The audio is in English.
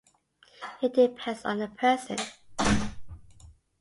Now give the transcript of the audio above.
It depends on the person.